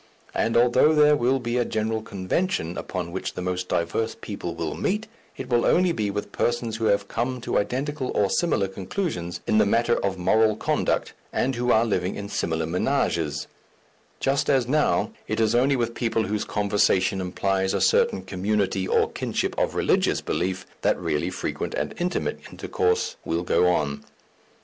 And although there will be a general convention upon which the most diverse people will meet, it will only be with persons who have come to identical or similar conclusions in the matter of moral conduct and who are living in similar ménages, just as now it is only with people whose conversation implies a certain community or kinship of religious belief, that really frequent and intimate intercourse will go on.